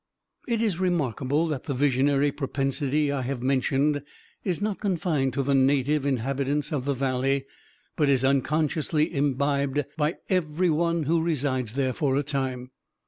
It is remarkable that the visionary propensity I have mentioned is not confined to the native inhabitants of the valley, but is unconsciously imbibed by every one who resides there for a time.